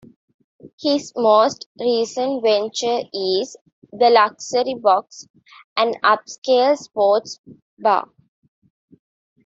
His most recent venture is "The Luxury Box", an upscale sports bar.